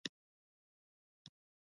خوږیاڼیو ولسوالۍ مشهوره ده؟